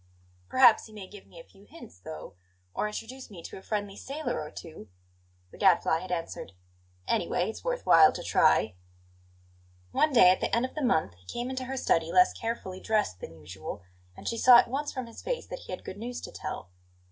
"Perhaps he may give me a few hints, though, or introduce me to a friendly sailor or two," the Gadfly had answered. "Anyway, it's worth while to try." One day at the end of the month he came into her study less carefully dressed than usual, and she saw at once from his face that he had good news to tell.